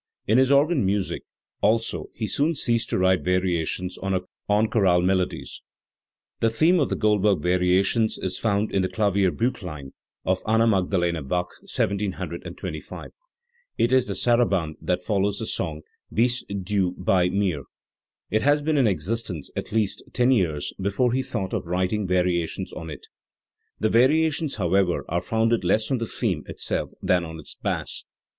In his organ music also he soon ceased to write variations on chorale melodies. The theme of the Goldberg variations is found in the KlavierbJlchkin of Anna Magdalena Bach (1723). It is the Sarabande that follows the song u Bist du bei mir". It had been in existence at least ten years before he thought of writing variations on it, The variations, however, are founded less on the theme itself than on its bass.